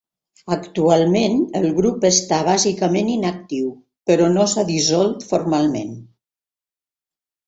Actualment el grup està bàsicament inactiu, però no s'ha dissolt formalment.